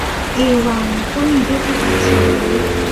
เอวัง ก็มีด้วยประการฉะนี้